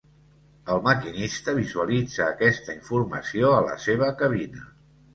El maquinista visualitza aquesta informació a la seva cabina.